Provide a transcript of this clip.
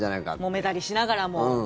もめたりしながらも。